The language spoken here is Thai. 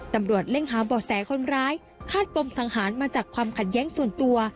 ตำรวจเร่งหาบ่อแสคนร้ายคาดปมสังหารมาจากความขัดแย้งส่วนตัว